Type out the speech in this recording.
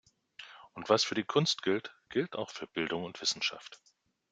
Und was für die Kunst gilt, gilt auch für Bildung und Wissenschaft.